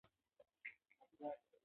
زه وردګ یم